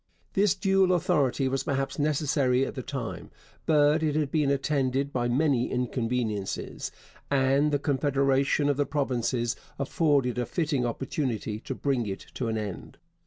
This dual authority was perhaps necessary at the time, but it had been attended by many inconveniences, and the confederation of the provinces afforded a fitting opportunity to bring it to an end.